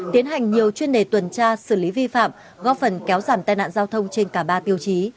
tiến hành nhiều chuyên đề tuần tra xử lý vi phạm góp phần kéo giảm tai nạn giao thông trên cả ba tiêu chí